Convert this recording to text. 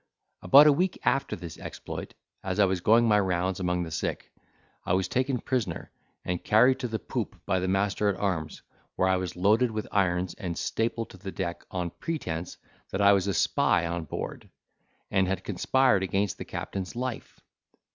About a week after this exploit, as I was going my rounds among the sick, I was taken prisoner, and carried to the poop by the master at arms, where I was loaded with irons, and stapled to the deck, on pretence that I was a spy on board, and had conspired against the captain's life.